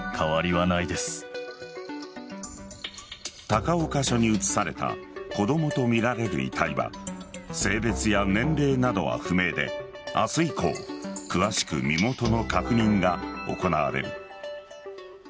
高岡署に移された子供とみられる遺体は性別や年齢などは不明で明日以降詳しく身元の確認が行われる。